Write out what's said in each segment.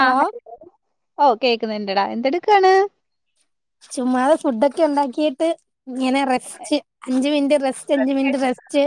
Hello ആഹ് okay ണ്ടടാ എന്തെടുക്കാണ്? ചുമ്മാതെ ഫുഡൊക്കെ ഉണ്ടാക്കിട്ട് ഇങ്ങനെ റെസ്റ്റ് അഞ്ച് മിനിറ്റ് റെസ്റ്റ് അഞ്ച് മിനിറ്റ് ആയിട്ട്. റെസ്റ്റ്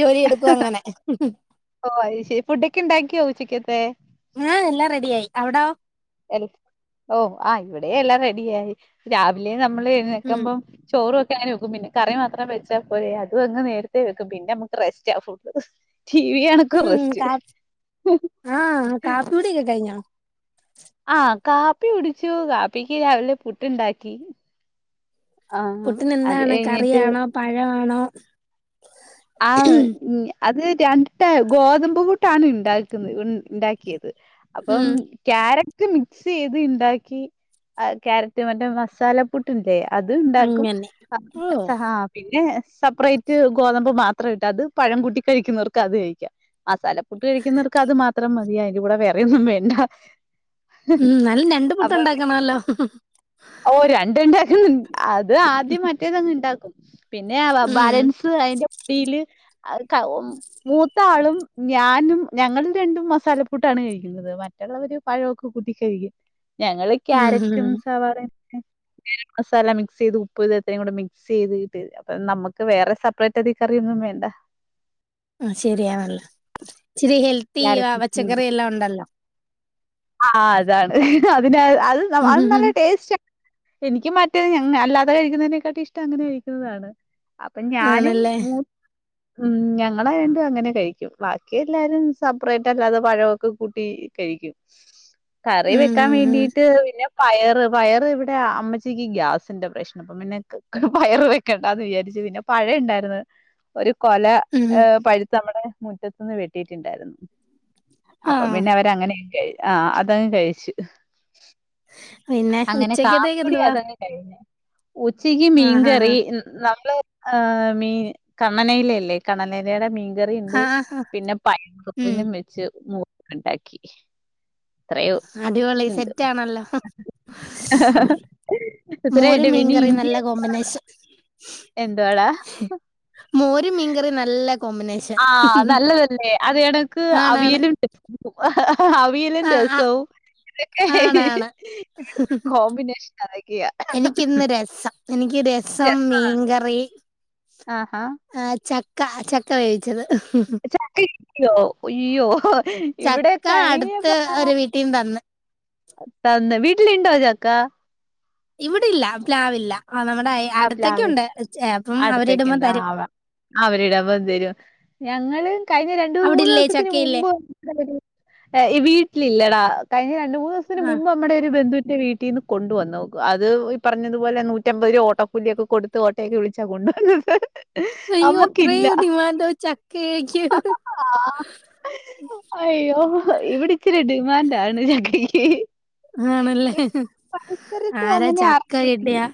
ജോലി എടുക്കും അങ്ങനെ ഹും ഓ അത് ശരി ഫുഡൊക്കെ ഉണ്ടാക്കിയോ ഉച്ചക്കത്തെ ഹും ആഹ് എല്ലാം റെഡി ആയി. എവിടാ? ഓ ആഹ് ഇവിടെ എല്ലാം റെഡിയായി രാവിലെ ഞമ്മള് ഉം എഴുന്നേക്കുമ്പോ ചോറ ങ്ങനെ വെക്കും പിന്നെ കറി മാത്രം വെച്ചാ പോരെ അതും അങ്ങ് നേരത്തെ വെക്കും പിന്നെ നമുക്ക് റെസ്റ്റ് ആ ഫുള്ള്. ടി വി കണക്കും ഉം റെസ്റ്റ് കാ ആഹ് കാപ്പി കുടിയൊക്കെ കഴിഞ്ഞോ? ആ കാപ്പി കുടിച്ചു കാപ്പിക്ക് രാവിലെ പുട്ട് ഉണ്ടാക്കി. പുട്ടിന് എന്താണ് കറിയാണോ പഴമാണോ? ആഹ് ഞ അത് രണ്ടിട്ട ഗോതമ്പ് പൂട്ടാണ് ഉണ്ടാക്കുന്നത് ഉണ്ടാക്കിയത്. അപ്പം ഉം ക്യാര മിക്സ് ചെയ്ത് ഉണ്ടാക്കി ക്യാരറ്റ് മറ്റേ മസാലപ്പുട്ടു ണ്ടേ അത് ഉണ്ടാക്കും അങ്ങനെ ഹ ഓ സ ഹ പിന്നെ സപ്പറേറ്റ് ഗോതമ്പ് മ്പു മാത്ര ഇട്ട് അത് പഴം കൂട്ടി കഴിക്കുന്നവർക്ക് അത് കഴിക്കാം മസാലപ്പുട്ട് കഴിക്കുന്നവർക്ക് അത് മാത്രം മതിയാ അതിന്റെ കൂടെ വേറെയൊന്നും വേണ്ട ഉം എന്നാലും രണ്ട് പുട്ട് അപ്പൊ അങ്ങനെ ഉണ്ടാക്കണല്ലോ ഓ [unintelligible] അത് ആദ്യം മറ്റേതങ്ങ് ഉണ്ടാക്കും പിന്നെ ഉം ബാലൻസ് അതിന്റെ [unintelligible] മൂത്ത ആളും ഞാനും ഞങ്ങൾ രണ്ടും മസാല പ്പുട്ടാണ് കഴിക്കുന്നത് മറ്റുള്ളവര് പഴമൊക്കെ കൂട്ടി കഴിക്കും ഞങ്ങള് ഉം ഉം ക്യാരറ്റും സാവാളയും മസാല മിക്സ് ചെയ്ത് ഉപ്പ് ഇത്രയും കൂടെ മിക്സ് ചെയ്തിട്ട് അപ്പ നമുക്ക് വേറെ സെപ്പറേറ്റ് അത് കറിയൊന്നും വേണ്ട ആ ശരിയാണല്ലേ ഇച്ചിരി ഹെൽത്തി ക്യാരറ്റ് പച്ചക്കറി എല്ലാം ഉണ്ടല്ലോ ആ അതാണ് അതിന അത് അത് നല്ല ഉം ടേസ്റ്റ് ആ എനിക്ക് മറ്റേ ഞ അല്ലാതെ കഴിക്കുന്നതിനെക്കാളും ഇഷ്ടം അങ്ങനെ കഴിക്കുന്നതാണ് അപ്പൊ ഞാനും ആണല്ലേ മൂ ഉം ഞങ്ങളെ രണ്ടും അങ്ങനെ കഴിക്കും ബാക്കി എല്ലാരും സെപ്പറേറ്റ് അല്ലാതെ പഴമൊക്കെ കൂട്ടി കഴിക്കും [inaudible] കറി ഉം വെക്കാൻ ഉം ഉം വേണ്ടീട്ട് പിന്നെ പയറ് പയറ് ഇവിടെ അമ്മച്ചിക്ക് ഗ്യാസിന്റെ പ്രശ്ന അപ്പ പിന്നെ പയറ് വെക്കണ്ടന്ന് വിചാരിച്ചു പിന്നെ പഴണ്ടായിരുന്നു ഒരു കൊല ഉം പഴുത്ത നമ്മുടെ മുറ്റത്തുന്ന് വെട്ടിയിട്ടുണ്ടായിരുന്നു അപ്പൊ ആഹ് പിന്നെ അവരങ്ങനെ ആ അതങ്ങ് കഴിച്ചു പിന്നെ അങ്ങനെ കാപ്പി ഉച്ചക്കത്തേക്ക് കുടി എന്തുവാ അതങ്ങ് കഴിഞ്ഞു ഉച്ചക്ക് ആഹ് ആഹ് മീൻകറി നമ്മള് ആ മീൻ കണ്ണനയിലയില്ലേ കണ്ണനയിലയുടെ മീ മീൻകറിയുണ്ട് ആഹ് ആഹ് ആഹ് പിന്നെ പരിപ്പു ഉം [unintelligible] ഉണ്ടാക്കി അടിപൊളി സെറ്റാണല്ലോ ഇത്ര മോര് എട്ട പിന്നെ ഇഞ്ചി എന്തുവാടാ മോര് മീൻകറി നല്ല കോമ്പിനേഷൻ ആ നല്ലതല്ലേ അത് എടക്ക് ആണാണ് അവിയലുണ്ട് അഹ് അഹ് അവിയലും ആഹ് ആഹ് രസവും ഇതൊക്കെ ഹേ ഹേ ആണാണ് കോമ്പിനേഷൻ അതൊക്കെയാ സം മീൻ കറി ആ ഹാ ആ ചക്ക വേവിച്ചത് ചക്ക കിട്ടിയോ അയ്യോ ഇവിടെ ചക്ക കഴിഞ്ഞു അടുത്ത് ഒരു വീട്ടീന്ന് തന്ന് തന്ന വിട്ട് ഇട്ടിലുണ്ടോ ചക്ക ഇവിടെല്ല പ്ലാവില്ല ആഹ് നമ്മുടെ ആ പ്ലാവ് അടുത്തൊക്കെയുണ്ട് അപ്പം അടുത്തൊക്കെ അവരിടുമ്പോ ഉണ്ട് തരും അവരിട്പം തരും ഞങ്ങള് കഴിഞ്ഞ രണ്ടു മൂന്ന് അവിടില്ലേ ദിവസത്തിന് ചക്കയില്ലേ മുമ്പ് ഏ വീട്ടിലില്ലടാ കഴിഞ്ഞ രണ്ട് മൂന്ന് ദസത്തിന് ആഹ് മുമ്പ് നമ്മടെ ഒരു ബന്ധു ന്റെ വീട്ടീന് കൊണ്ടുവന്ന അത് ഈ പറഞ്ഞതുപോലെ നൂറ്റമ്പത് ഓട്ടോ പുല്ലിയൊക്കെ കൊടുത്ത് ഓട്ടയക്കെ വിളിച്ചാ കൊണ്ട അയ്യോ അമ്മക്കില്ല അത്രയും ഡിമാൻഡോ ചക്കയ്ക്ക് ആ അയ്യോ ഇവിടെ ഇച്ചരിണ്ട് ഡിമാന്റ് ആണ് ചക്കക്കി ആണല്ലേ ആരാ അങ്ങനെ ചക്ക ആർക്കേലും കിട്ടിയ ഇല്ല.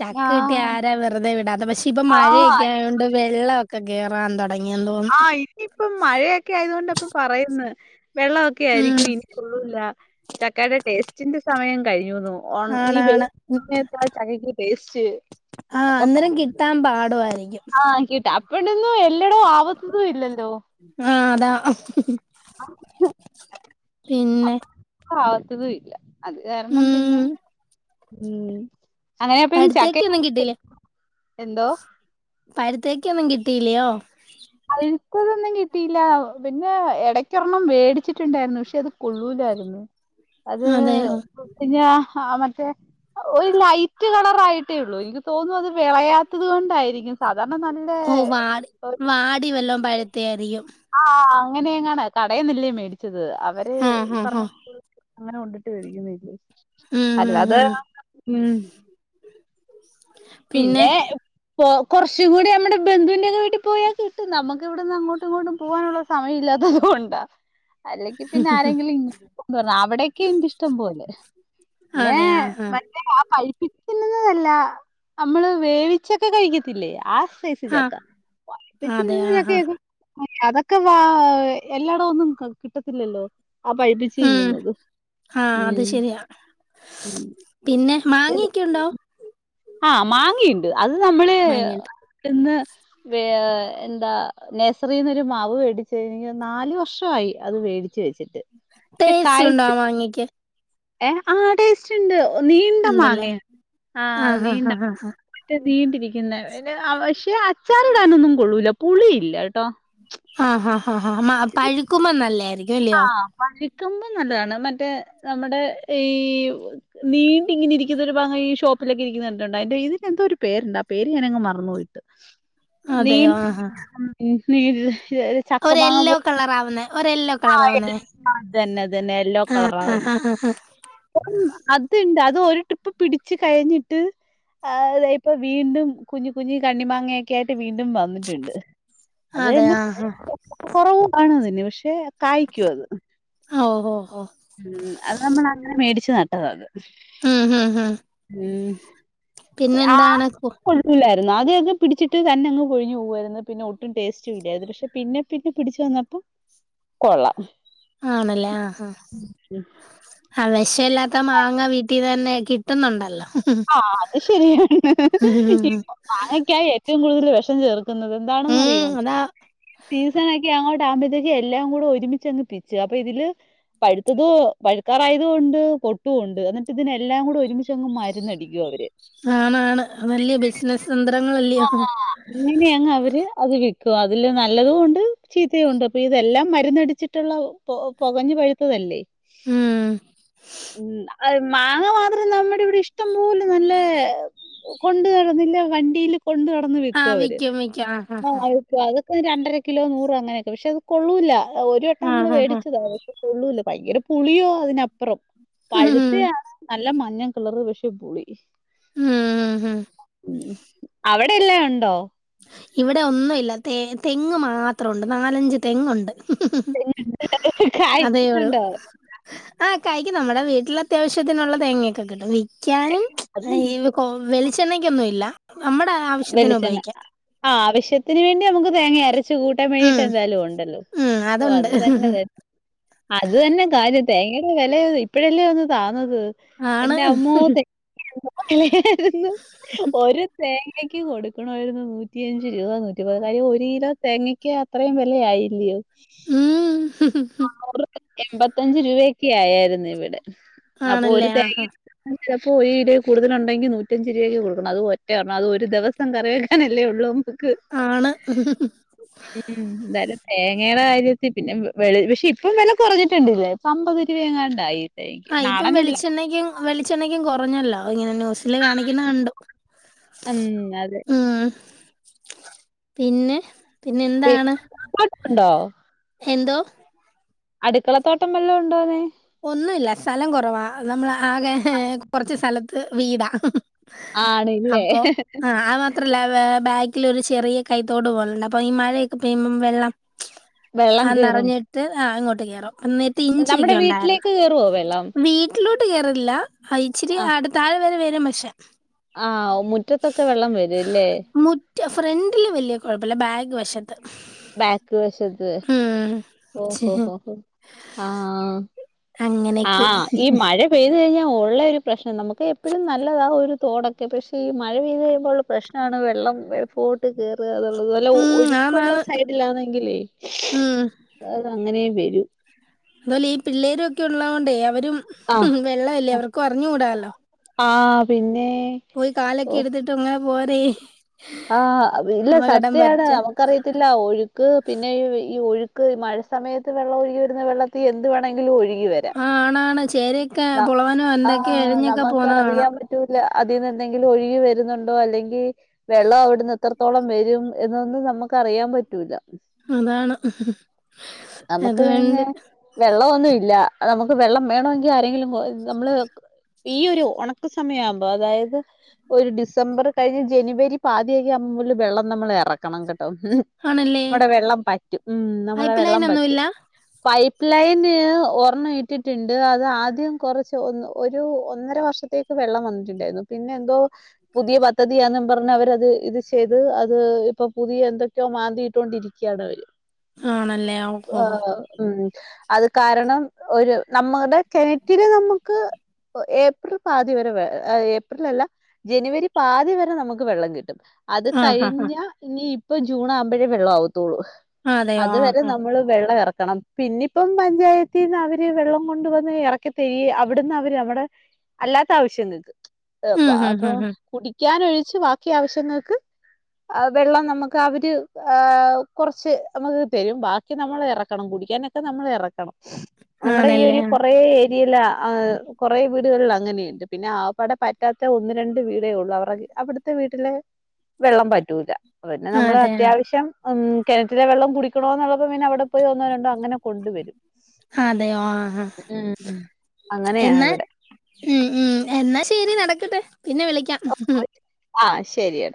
ചക്ക കിട്ടിയ ആഹ് ആരാ വെറുതെ വിടാത വെച് ച്ചിപ്പോ ആഹ് മഴയൊക്കെ ആയൊണ്ട് വെള്ളം ക്ക കെറാണ്ട ആ ഇനിയിപ്പം മഴയൊക്കെ ആയത് കൊണ്ട് അപ്പം പറയന്ന് വെള്ളമൊക്കെ ഉം ആയിരിക്കും ഇനി കൊള്ളുല്ല ചക്കാടെ ടേസ്റ്റ് അച്ചിന്റെ സമയം കഴിഞ്ഞിരുന്നു ഓൻ ഇ ബൈ ആണാണ് ടെസ്റ്റ് ആ അന്നേരം കിട്ടാൻ പാടുമാരി എനിക്ക് ത്തപ്പടുന്നു [unintelligible] ഇല്ലടോ ആവസതും ഇല്ലല്ലോ ദാഹം [unintelligible] പിന്നെ ഇതുവില്ല അത് കാരണം ഉം പിന്നെ ഉം അങ്ങനെയപ്പന്ന് പഴുത്തേക്കൊന്നും ചക്കക്ക് കിട്ടിയില്ലേ എന്തോ കേക്കൊന്നും കിട്ടീല്യയോ ഇതൊന്നും കിട്ടിയില്ല പിന്നെ ഇടക്കൊരെണ്ണം മേടിച്ചിട്ടുണ്ടായിരുന്നു പക്ഷെ അത് കൊള്ളൂലായിരുന്നു അത് അതെയോ പിന്നെ ആ മറ്റേ ഒരു ലൈറ്റ് കളർ ആയിട്ടേയുള്ളൂ എനിക്ക് തോന്നുന്നു അത് വിളയാത്തത് കൊണ്ടായിരിക്കും. സാധാരണ നല്ല ടിവല്ലോം പഴുത്തെയായിരിക്കും അങ്ങനെയ എങ്ങാണ് കടയിന്നില്ലേ മേടിച്ചത് അ അവര് ഈ ആഹ് ആഹ് ആഹ് പറഞ്ഞപ്പോ അങ്ങനെ കൊണ്ടിട്ട് വേടിക്കുന്നയല്ലേ ഉം അല്ല ഉം അത് ഉം ആ ഉം [inaudible] പിന്നെ കുറച്ചുകൂടി നമ്മുടെ ബന്ധുവിന്റെ യൊക്കെ വീട്ടിൽ പോയാൽ കിട്ടും നമുക്ക് ഇവിടന്ന് അങ്ങോട്ട്‌ എങ്ങോട്ടും കൊണ്ടും പോകാനുള്ള സമയമില്ലാത്ത കൊണ്ടാ അല്ലെങ്കി പിന്നെ ആരെങ്കിലും ഇങ്ങന്ന് പറഞ്ഞാ അവിടോക്കെ എക്ക് ഇഷ്ടം പോലെ പിന്നെ അതെ ആഹ് ആഹ് മറ്റേ ആ പൈപ്പ് പിന്നുന്നതല്ല നമ്മള് വേവിച്ചൊക്കെ കഴിക്കത്തില്ലേ ആ സാ ആഹ് അതെ ആഹ് ആഹ് [unintelligible] അതൊക്കെ വ എല്ലാടവൊന്നും കിട്ടത്തില്ലല്ലോ ആ പഴിപ്പിച്ച് ഉം തിന്നുന്നത് ആഹ് ഉം അത് ശരിയാ പിന്നെ മാങ്ങയൊക്കെ ഉണ്ടോ ആ മാങ്ങയിണ്ട് അത് നമ്മള് മാങ്ങയുണ്ട് ഇന്ന് എന്താ നഴ്സറിന്നൊരു മാവ് മേടിച്ചു ഇൻകോന്ന്ന്നു നാലു വർഷമായി അത് വേടി ടേസ്റ്റ് ഉണ്ടാ മാങ്ങക്ക് ഏ ആ ടേ ച്ചണ്ട് നീണ്ട ഉണ്ടല്ലേ മാങ്ങയാണ് ആ ആഹ് നീണ്ട, ഹാ ഹാ ഹാ ഹാ നീണ്ടിരിക്കുന്ന ആ അവശ്യ പക്ഷെ അച്ചാറിടാനൊന്നും കൊള്ളൂല്ല പുളിയില്ല ട്ടൊ ആഹ ആഹ ആ മാ പഴുക്കുമ്പോ നല്ലായിരിക്കും അല്ലയോ ആഹ് കിക്കുമ്പം നല്ലതാണ് മറ്റേ നമ്മുടെ ഈ നീണ്ടിങ്ങനെ ഇരിക്കുന്നൊരു - ഈ ഷോപ്പിലൊക്കെ ഇരിക്കുന്നെ കണ്ടിട്ടുണ്ട് അന്റെ ഇന് എന്തോ ഒരു പേരുണ്ട് ആ പേര് ഞാൻ അങ് മറന്ന് പോയി പ്പോ നീ നീ ഒരെല്ലോ കളറാവുന്നേ ആ അത് തന്നെ അത് തന്നെ യെല്ലോ ആഹ് ആഹ് കളറാവുന്നെ ഹാ ഹാ ഹാ ഉ അത്ണ്ട് അത് ഒര് ട്രിപ്പ് പിടിച്ച് കഴിഞ്ഞിട്ട് ത ഇപ്പ വീണ്ടും കുഞ്ഞ് കുഞ്ഞ് കണ്ണിമാങ്ങൊക്കെ ആയിട്ട് വീണ്ടും വന്നിട്ടുണ്ട് അത് അതെ ആഹ് [unintelligible] നിമിഷേ കായ്ക്കോ അത് ഓ ഓ ഓ ഉം അത് നമ്മൾ അങ്ങനെ മേടിച്ചു നട്ടതാ അത് മ് മ് മ് ഉം ആഹ കു കൊട്ക്കൂല ആദ്യം പിടിച്ചിട്ട് തന്നെ അങ്ങ്പൊഴിഞ്ഞ് പോവായിരുന്നു പിന്നെ ഒട്ടും ടേസ്റ്റ് ഇല്ലാരുന്നു പക്ഷെ പിന്നെ പിന്നെ പിടിച്ചു വന്നപ്പം കൊള്ളാം ആണല്ലേ ആഹ് ഹ വെഷല്ലാത്ത മാങ്ങ വീ ട്ടി തന്നെ കിട്ടുന്നുണ്ടല്ലോ ആ അത് ശരിയാണ് ഉം ഇപ്പംമാങ്ങക്കാ റ്റവും കൂട്തൽ വെഷം ചേർ ക്കുന്നത് ഉം എന്താണന്നറിയോ അതാ സീസൺ ഒക്കെയാ ക്കെ ആവുമ്പോത്തേക്ക് എല്ലാം കൂടെ ഒരുമിച്ചങ്ങ് പിച്ചു അപ്പൊ ഇതില് പഴുത്തതും പഴുക്കാറായതും ഉണ്ട് പൊട്ടുണ്ട് എന്നിട്ട് ഇതിനെ എല്ലാം കൂടെ ഒരുമിച്ച്ങ്ങ് മ ര്ന്ന് അടിക്കും അവര് ആണാണ് നല്ല ബിസിനസ് തന്ത്രങ്ങളല്ലയോ അങ്ങനെയങ് അവര് അത് വി ക്കും അതില് നല്ലതും ഉണ്ട് ചീത്തയു ഉണ്ട് അപ്പൊ ഇതെല്ലാം മര്ന്നടിച്ചിട്ടുള്ള പൊകഞ്ഞ് പഴുത്തതല്ലേ ഉം ഉം അ മാങ്ങ മാത്രം നമ്മുടെ ഇവിടെ ഇഷ്ട്ടം പോലെ നല്ലേ കൊണ്ട് നടന്നില്ല വണ്ടീല്ല് കൊണ്ട് നടന്ന് വിക്കും ആഹ് അവര് വിക്കും ആഹ് ആഹ് [inaudible] രണ്ടര കിലോ നൂറോ അങ്ങനെയൊക്കെ പക്ഷെ അത് കൊള്ളൂല്ല ഒരു വട്ടം നമ്മള് ആഹ് ആഹ് ആഹ് മേടിച്ചതാത് കൊള്ളൂല്ല ഭയങ്കര പുളിയോ അതിനപ്പുറം ഉം പഴുത്തയാണ് നല്ല മഞ്ഞ കളറ് പക്ഷെ പുളി ഉം ഉം ഉം. ഉം അവിടെ എല്ലാം ഒണ്ടോ ഇവിടെ ഒന്നുല്ല തെ തെങ്ങ് മാത്രമുണ്ട് നാലഞ്ച് തെങ്ങുണ്ട് [unintelligible] അതേ ഉള്ളൂ കായൊണ്ടോ ആഹ് കായ്ക്കും നമ്മുടെ വീട്ടിൽ അത്യാവശ്യത്തിനുള്ള തേങ്ങയൊക്കെ കിട്ടും വി ക്ക്യാനും അത് ഈ കോവ്- വെളിച്ചെണ്ണക്കൊന്നും ഇല്ല നമ്മുടെ ആവശ്യത്തിന് ഉപയോഗിക്കാം ആ ആവശ്യത്തിന് വേണ്ടി നമുക്ക് തേങ്ങയര ച്ച് കൂട്ടാൻ വേണ്ടിട്ട് ഉം എന്തായാലും ഉണ്ടല്ലോ ഉം ഒ അതുണ്ട് അത് തന്നെ അത് തന്നെ കാര്യം തേങ്ങയുടെ വിലയോ ഇപ്പഴല്ലേ ഒന്ന് താന്നത് ആണ് എന്റെ അമ്മോ തെ [unintelligible] ഒരു തേങ്ങ തേങ്ങക്ക് കൊടുക്കണമായിരുന്ന് നൂറ്റി അഞ്ച് രൂപ നൂറ്റി പതിനാല് ഒരു കിലോ തേങ്ങക്ക് അത്രയും വെല ആയില്ലിയോ ഉം [inaudible] എൺമ്പത്തഞ്ച് രൂപയൊക്കെ ആയായിരുന്ന് ഇവിടെ അപ്പൊ ഒരു ആണല്ലേ ആഹ് തേങ്ങ ചെലപ്പോ ഒരു കിലോയിൽ കൂടുതൽ ഉണ്ടെങ്കി നൂറ്റഞ്ച് രൂപയ്ക്ക് കൊടുക്കണം അത് ഒറ്റ ഒരെണ്ണം അത് ഒരു ദിവസം കറി വെക്കാനല്ലേ ഉള്ളൂ നമുക്ക് ആണ് ഉം എന്തായാലും തേങ്ങയുടെ കാര്യത്തിൽ പിന്നെ വെ പക്ഷെ ഇപ്പം വില കുറഞ്ഞിട്ടുണ്ടില്ലേ ഇപ്പൊ അമ്പത് രൂപ എങ്ങാണ്ടായി തേങ്ങക്ക് ആ ഇപ്പ നാടനല്ല വെളിച്ചെണ്ണക്കും വെളിച്ചെണ്ണക്കും കൊ കൊറഞ്ഞല്ലോ ഇങ്ങനെ ന്യൂസില് കാണിക്കുന്ന കണ്ടു ഉം അതെ ഉം പിന്നെ പിന്നെ എന്താണ് [inaudible] എന്തോ അടുക്കളത്തോട്ടം വല്ലാം ഉണ്ടോന്ന് ഒന്നുമല്ല സ്ഥലം കുറവാ നമ്മൾ ആകെ കുറച്ച് സ്ഥല വീടാ ആണില്ലേ അപ്പൊ ആ അത് മാത്രല്ല വെ ബാക്കിൽ ഒരു ചെറിയ കൈത്തോട് പോലു ണ്ട് അപ്പൊ ഈ മഴയൊക്കെ പെയ്യുമ്പം വെള്ളം വെള്ളം ആ കേറും നിറഞ്ഞിട്ട് ആ ഇങ്ങോട്ട് കെയറും [unintelligible] ത് ഇഞ്ചിഒക്കെ ഒണ്ടാരുന്നു [unintelligible] [unintelligible] റുവോ വെള്ളം ട്ലോട്ട് കേറത്തില്ല അ ഇച്ചിരി ആ അടുത്ത [unintelligible] വെ ആ മുറ്റത്തൊക്കെ വെള്ളം വരും അല്ലേ [unintelligible] [inaudible] മുറ്റ ഫ്രണ്ട് വെല്യേ കൊയപ്പല്ല ബാക്ക് വശം ബാക്ക് വശത്ത് ഉം. ഛെ, ഓഹൊഹൊഹൊ ആഹ് അങ്ങനെയൊക്കെ. ആഹ് ഈ മഴ പൈ [unintelligible] ഴിഞ്ഞ ഒള്ള ഒരു പ്രശ്നം നമുക്ക് എപ്പഴും നല്ലതാ ഒരു തോടൊക്കെ പക്ഷെ ഈ മഴ പെയ് [unintelligible] മ്പോൾ പ്രശ്നാണ് വെള്ള [unintelligible] [inaudible] ത്കേറാ [unintelligible] നല്ല ഉം ഒഴുക്കുള്ള ആന്നാന്ന്. സൈഡിലാണെങ്കിലെ ഉം. [unintelligible] അങ്ങനെ വെരു ന്താലും ഈ പിള്ളേരൊക്കെ ഉള്ളോണ്ടേയ് അ ആഹ് ഇഹിഹി വെള്ളല്ലേ അവർക്കും അറിഞ്ഞുടാലൊ ആ പിന്നേ പോയ് കാലൊക്കെ [inaudible] വോരെ ആഹ് [unintelligible] ഇല്ല സത്യാണ് നമുക്കറിയത്തില്ല ഒഴുക്ക് പിന്നെ ഈ [unintelligible] ഒഴ് മഴസമയത് വെള്ളം ഒഴുകി വരുന്ന വെള്ളത്തി എന്ത് വേണ ലും ഒഴികി വെരാം ചേരക്കെ പൊളവനോ എന്തൊക്കെ എഴഞ്ഞൊക്കെ പോണ കാണം ലും ഒഴുകി വരുന്നുണ്ടോ അല്ലെങ്കി വെള്ളം അവിടുന്നു എത്രത്തോളം വെരും എന്നൊന്നും നമ്മക്ക് അറിയാം പറ്റൂല്ല അതാണ് ഹ് ഹ് ഹ് അതുകൊണ്ട് വെള്ളമില്ല നമുക്ക് വെള്ളം വേണോങ്കി- ആരെങ്കിലു നമ്മള് ഈ ഒരു ഒണക്ക് സമയം ആവുമ്പോ അതായത് ഒരു ഡിസംബർ കഴിഞ്ഞ് ജനുവരി പാതിയൊക്കെ ആകുമ്പോ മുതല് വെള്ളം നമ്മള് എറക്കണം കെ ട്ടോ മ്ഹ്ഹ് ആണല്ലേ നമ്മടെ വെള്ളം പറ്റും മ് നമ്മടെ പൈപ്പ് ലൈൻ വെള്ളം പറ്റും ഒന്നുമില്ല പൈപ്പ് ലൈന് ഒറെണ്ണം ഇട്ടിട്ടുണ്ട് അത് അതാദ്യം കൊറച്ച് ഒരു ഒന്നര വർഷത്തേക്ക് വെള്ളം വന്നിട്ടുണ്ടായിരുന്നു. പിന്നെ എന്തോ പുതിയ പദ്ധതിയാന്നും പറഞ്ഞ് അവരത് ഇത് ചെയ്ത് അത് ഇപ്പൊ പുതിയ എന്തൊക്കെയോ മാന്തികൊണ്ടിരിക്കാണ് അവര് ആണല്ലേ ഓഹോ ആഹ് ഉം അത് കാരണം നമ്മുടെ കിണറ്റില് നമുക്ക് ഏപ്രിൽ പാതി വരെ വെണം ഏപ്രിൽ അല്ല ജനുവരി പാതി വരെ നമുക്ക് വെള്ളം കിട്ടും അത് ആഹ് ആഹ് കഴിഞ്ഞ ഇനി ഇപ്പൊ ജൂൺ ആവുമ്പഴേ വെള്ളാവു തൊള്ളൂ. ആഹ് അതെയോ ആഹ് അതുവരെ ആഹ് നമ്മള് വെള്ളവെറ ക്കണം. പിന്നിപ്പം പഞ്ചായത്തിന്ന് അവര് വെള്ളം കൊണ്ടുവ- ന്ന് ഇറക്കി അവിടുന്ന് അവര് അവിടെ അല്ലാത്ത ആവശ്യങ്ങൾക്ക് ച് പ് ഉം ഹും അപ്പൊ ഹും ഹും കുടി [inaudible] കുക്കാനൊഴിച്ച് ബാക്കി ആവശ്യങ്ങക്ക് വെള്ളം നമുക്ക് അവര് കൊറച്ച് നമുക്ക് തരും ബാക്കി നമ്മള് എറക്കണം കുടിക്കാനൊക്കെ നമ്മള് എറക്കണം നമ്മുടെ ഈ ഒരു ആണല്ലേ കൊറേ- ഏര്യയില ആ കൊറെ വീടുകളിൽ അങ്ങനയുണ്ട് പിന്നെ ആകപ്പാടെ പറ്റാത്ത ഒന്ന് രണ്ട് വീടേ ഉള്ളൂ അവറ അവിടുത്തെ വീട്ടിലെ വെള്ളം പറ്റൂല കോര്നെ ആഹ് നമ്മള് അതെ ആഹ് അത്യാവശ്യം മ് കിറ്റിലെ വെള്ളം കുടിക്കണോം ന്നുള്ളപ്പോ പിന്നെ അവിടെ പോയി ഒന്നോ രണ്ടോ അങ്ങനെ കൊണ്ട് വരും ആ എന്നാ ഇവിടെ മ് മ് എന്നാ ശരി നടക്കട്ടെ പിന്നെ വിളിക്കാം മ് ഹ് ഹ് ആഹ ശരിയ